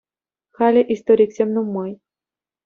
Халӗ историксем нумай.